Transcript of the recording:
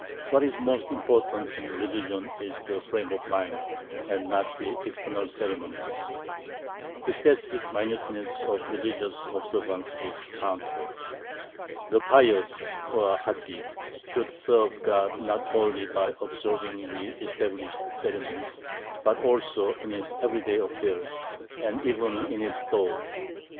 What is most important in religion is the frame of mind and not the external ceremonies: excessive minuteness of religious observance is harmful. The pious, or Hasid, should serve God not only by observing the established ceremonies, but also in his everyday affairs and even in his thoughts.